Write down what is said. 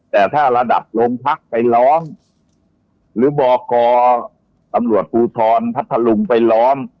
แต่ถ้าระดับโรงพักไปร้องหรือบอกกตำรวจภูทรพัทธลุงไปล้อม